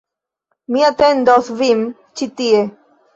Mi atendos vin ĉi tie